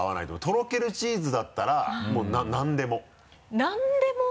とろけるチーズだったらもう何でも。何でも？